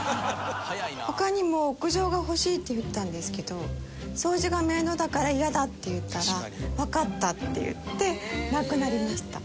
他にも「屋上が欲しい」って言ったんですけど「掃除が面倒だからイヤだ」って言ったら「わかった」って言ってなくなりました。